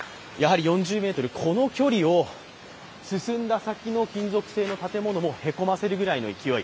４０ｍ、この距離を進んだ先の金属製の建物もへこませるぐらいの勢い。